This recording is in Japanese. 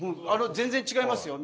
全然違いますよ